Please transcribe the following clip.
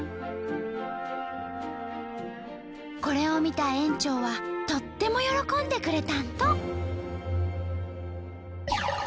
これを見た園長はとっても喜んでくれたんと！